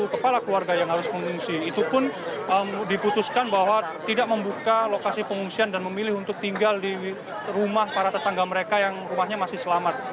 kepala keluarga yang harus mengungsi itu pun diputuskan bahwa tidak membuka lokasi pengungsian dan memilih untuk tinggal di rumah para tetangga mereka yang rumahnya masih selamat